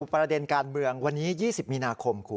ประเด็นการเมืองวันนี้๒๐มีนาคมคุณ